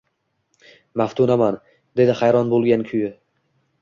Maftunaman, dedi hayron bo`lgan kuyi